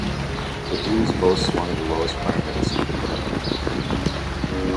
Cadiz boasts one of the lowest crime rates in Kentucky.